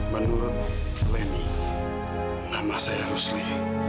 menurut weni nama saya rusli